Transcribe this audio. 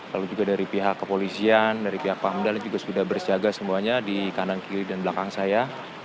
lalu juga dari pihak kepolisian dari pihak pamdal juga sudah bersiaga semuanya di kanan kiri dan belakang saya